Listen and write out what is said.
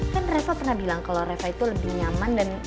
kan reva pernah bilang kalau reva itu lebih nyaman dan